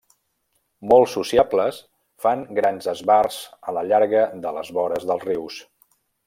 Molt sociables, fan grans esbarts a la llarga de les vores dels rius.